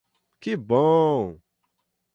Que bom!